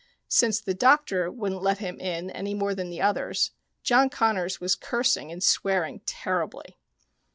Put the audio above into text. Since the doctor wouldn't let him in any more than the others, John Connors was cursing and swearing terribly.